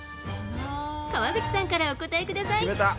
川口さんからお答えください。